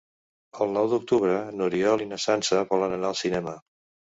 El nou d'octubre n'Oriol i na Sança volen anar al cinema.